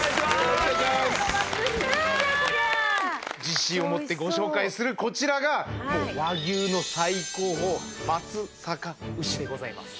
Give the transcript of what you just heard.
自信を持ってご紹介するこちらが和牛の最高峰松阪牛でございます。